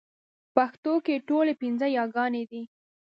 پښتو کې ټولې پنځه يېګانې دي